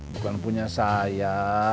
bukan punya saya